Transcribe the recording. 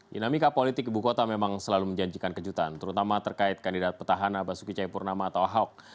dinamika politik ibu kota memang selalu menjanjikan kejutan terutama terkait kandidat petahana basuki cayapurnama atau ahok